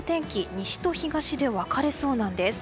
西と東で分かれそうなんです。